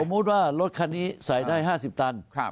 มุติว่ารถคันนี้ใส่ได้๕๐ตัน